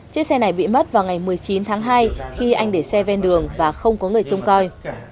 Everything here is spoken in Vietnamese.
chiếc xe này bị mất vào ngày một mươi chín tháng hai khi anh để xe ven đường và không có người trông coi